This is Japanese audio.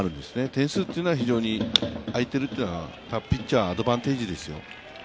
点数というのは非常にあいてるというのはピッチャーのアドバンテージですよ。